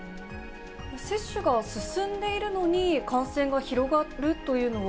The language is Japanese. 接種が進んでいるのに、感染が広がるというのは、